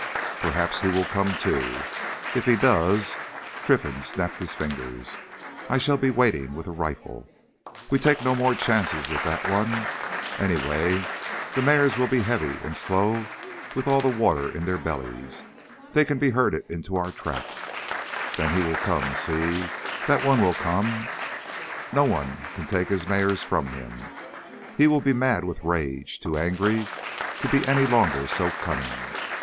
Perhaps he will come, too. If he does"—Trinfan snapped his fingers—"I shall be waiting with a rifle. We take no more chances with that one! Anyway, the mares will be heavy and slow with all the water in their bellies. They can be herded into our trap. Then he will come, sí, that one will come—no one can take his mares from him! He will be mad with rage, too angry to be any longer so cunning.